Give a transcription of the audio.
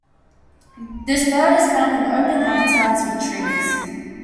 This bird is found in open habitats with trees.